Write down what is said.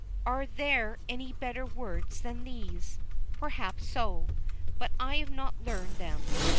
Are there any better words than these? Perhaps so. But I have not learned them.